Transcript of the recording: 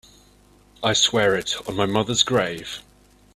I swear it on my mother's grave.